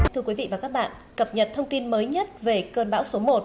thưa quý vị và các bạn cập nhật thông tin mới nhất về cơn bão số một